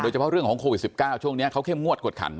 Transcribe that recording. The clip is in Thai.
เฉพาะเรื่องของโควิด๑๙ช่วงนี้เขาเข้มงวดกวดขัน